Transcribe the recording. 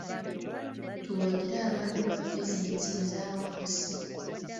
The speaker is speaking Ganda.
Tuwagire abantu ba bizinensi eza wansi.